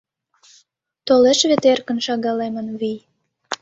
Толеш вет эркын шагалемын вий.